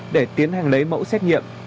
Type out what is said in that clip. để tiến hành lấy mẫu xét nghiệm